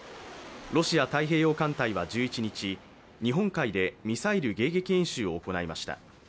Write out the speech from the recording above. ロシア太平洋艦隊は１１日、日本海でミサイル迎撃演習を行いました。